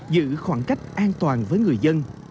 giữ khoảng cách an toàn với người dân